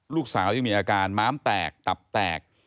ลูกสาวยังมีอาการม้ามแตกตับแตก